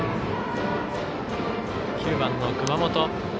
９番の熊本。